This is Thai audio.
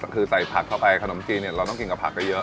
คือใส่ผักเข้าไปขนมจีนเนี่ยเราต้องกินกับผักเยอะ